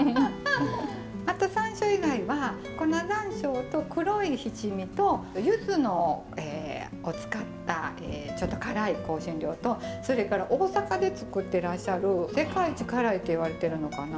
あと山椒以外は粉山椒と黒い七味とゆずを使ったちょっと辛い香辛料とそれから大阪で作っていらっしゃる世界一辛いっていわれてるのかな？